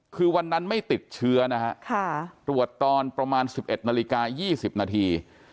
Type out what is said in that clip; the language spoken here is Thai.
คือวันนั้นไม่ติดเชื้อนะฮะตรวจตอนประมาณ๑๑นาฬิกา๒๐นาที